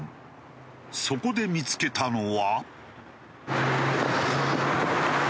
そこで見付けたのは。